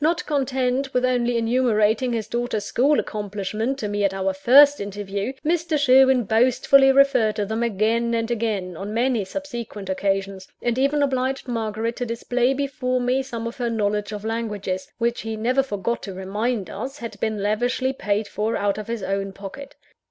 Not content with only enumerating his daughter's school accomplishments to me at our first interview, Mr. Sherwin boastfully referred to them again and again, on many subsequent occasions; and even obliged Margaret to display before me, some of her knowledge of languages which he never forgot to remind us had been lavishly paid for out of his own pocket.